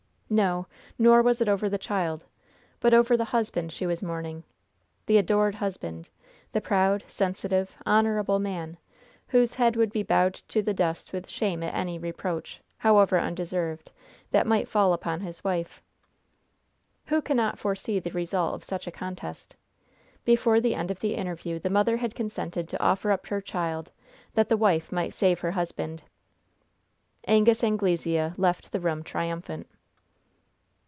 No, nor was it over the child, but over the husband she was mourning the adored husband the proud, sensitive, honorable man, whose head would be bowed to the dust with shame at any reproach, however undeserved, that might fall upon his wife. Who cannot foresee the result of such a contest? Before the end of the interview the mother had consented to offer up her child, that the wife might save her husband. Angus Anglesea left the room triumphant.